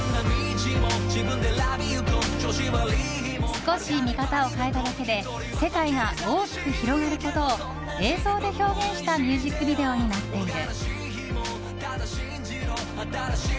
少し見方を変えただけで世界が大きく広がることを映像で表現したミュージックビデオになっている。